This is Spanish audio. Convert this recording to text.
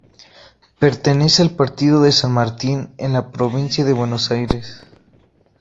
Pertenece al partido de San Martín en la provincia de Buenos Aires.